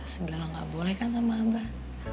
segala gak boleh kan sama abah